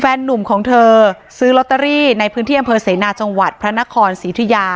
นุ่มของเธอซื้อลอตเตอรี่ในพื้นที่อำเภอเสนาจังหวัดพระนครศรีอุทิยา